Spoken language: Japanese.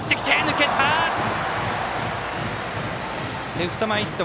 レフト前ヒット。